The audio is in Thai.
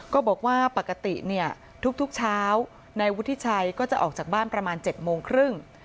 ก็บอกว่าปกติเนี่ยทุกเช้านายวุฒิชัยก็จะออกจากบ้านประมาณ๗โมงครึ่ง